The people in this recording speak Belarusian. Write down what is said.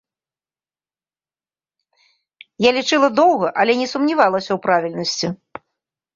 Я лічыла доўга, але не сумнявалася ў правільнасці.